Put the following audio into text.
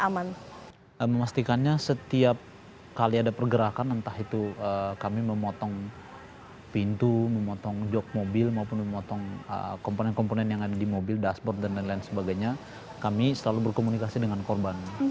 memastikannya setiap kali ada pergerakan entah itu kami memotong pintu memotong jok mobil maupun memotong komponen komponen yang ada di mobil dashboard dan lain lain sebagainya kami selalu berkomunikasi dengan korban